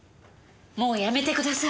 もうやめてください。